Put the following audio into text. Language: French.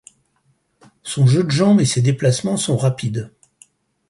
Son jeu de jambes et ses déplacements sont rapides.